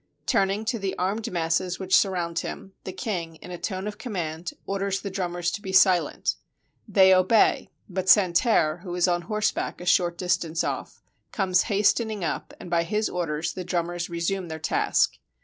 Turning to the armed masses which surround him, the king, in a tone of command, orders the drummers to be silent. They obey; but San terre, who is on horseback a short distance off, comes hastening up, and by his orders the drummers resume their task.